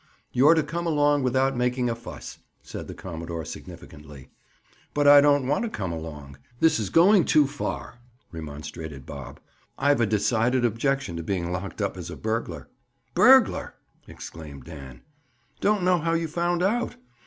"You're to come along without making a fuss," said the commodore significantly. "But I don't want to come along. This is going too far," remonstrated Bob. "I've a decided objection to being locked up as a burglar." "Burglar!" exclaimed Dan. "Don't know how you found out!